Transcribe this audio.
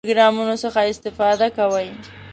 د کومو پروګرامونو څخه استفاده کوئ؟